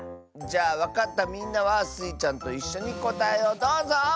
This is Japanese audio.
じゃあわかったみんなはスイちゃんといっしょにこたえをどうぞ！